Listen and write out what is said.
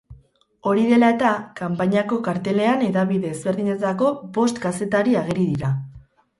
Hori dela-eta, kanpainako kartelean hedabide ezberdinetako bost kazetari ageri dira.